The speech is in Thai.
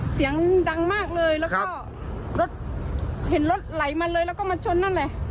เสียงดังมากเลยแล้วก็รถเห็นรถไหลมาเลยแล้วก็มาชนนั่นแหละ